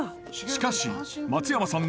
しかし松山さん